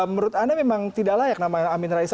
menurut anda memang tidak layak namanya amin rais